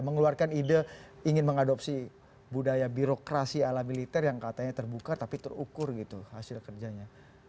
mengeluarkan ide ingin mengadopsi budaya birokrasi ala militer yang katanya terbuka tapi terukur gitu hasil kerjanya